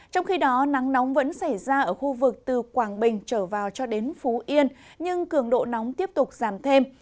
trong khi đó nắng nóng vẫn xảy ra ở khu vực từ quảng bình trở vào cho đến phú yên nhưng cường độ nóng tiếp tục giảm thêm